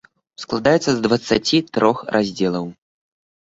Складаецца з дваццаці трох раздзелаў.